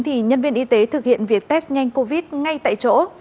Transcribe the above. thì nhân viên y tế thực hiện việc test nhanh covid ngay tại chỗ